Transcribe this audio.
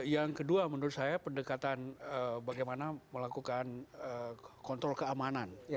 yang kedua menurut saya pendekatan bagaimana melakukan kontrol keamanan